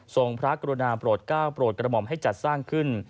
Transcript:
พระกรุณาโปรดก้าวโปรดกระหม่อมให้จัดสร้างขึ้น